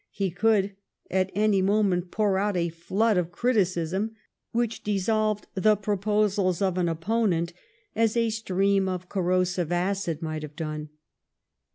He could at any moment pour out a flood of criticism which dissolved the proposals of an opponent as a stream of corrosive acid might have done.